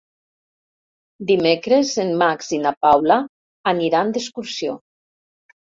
Dimecres en Max i na Paula aniran d'excursió.